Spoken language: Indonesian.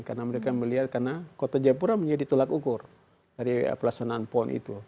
karena mereka melihat karena kota jayapura menjadi telak ukur dari pelaksanaan pon itu